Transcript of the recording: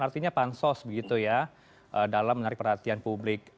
artinya pansos begitu ya dalam menarik perhatian publik